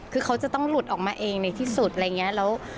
คือเขาจะต้องหลุดออกมาเองในที่สุดอะไรอย่างนี้